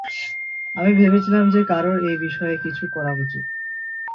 আমি ভেবেছিলাম যে, কারো এই বিষয়ে কিছু করা উচিত।